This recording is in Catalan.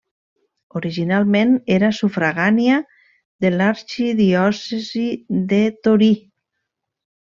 Originalment era sufragània de l'arxidiòcesi de Torí.